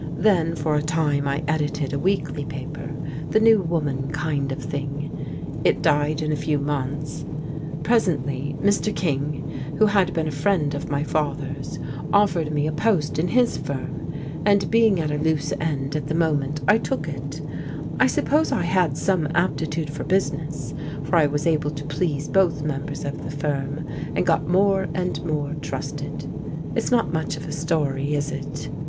Then for a time I edited a weekly paper, the * New Woman * kind of thing. It died in a few months. Presently Mr. King, who had been a of my father's, oftet^^ tofc ^ V^^\. \a.\».^ €am^ and "MISS STATHAM'' 353 being at a loose end at the moment, I took it. I suppose I had some aptitude for business, for I was able to please both members of the firm, and got more and more trusted. It is not much of a story, is it?"